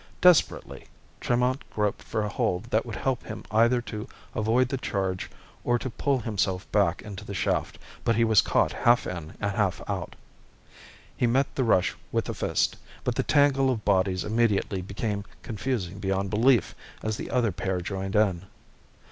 Desperately, Tremont groped for a hold that would help him either to avoid the charge or to pull himself back into the shaft, but he was caught half in and half out. He met the rush with a fist, but the tangle of bodies immediately became confusing beyond belief as the other pair joined in.